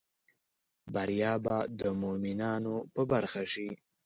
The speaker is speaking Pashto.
بریا به د مومینانو په برخه شي